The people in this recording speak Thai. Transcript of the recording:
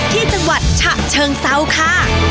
ที่จังหวัดฉะเชิงเซาค่ะ